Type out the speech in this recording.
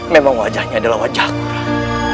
memang wajahnya adalah wajahku